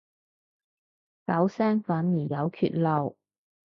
九聲反而有缺漏